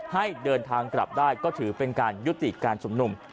ให้เดินทางกลับได้ก็ถือเป็นการยุติการชุมนุม